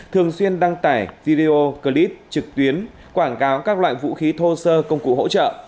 thường xuyên đăng tải video clip trực tuyến quảng cáo các loại vũ khí thô sơ công cụ hỗ trợ